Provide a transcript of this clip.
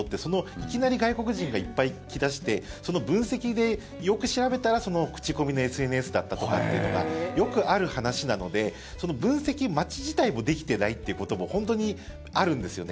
いきなり外国人がいっぱい来出してその分析で、よく調べたら口コミのＳＮＳだったとかっていうのがよくある話なのでその分析、街自体もできていないということも本当にあるんですよね。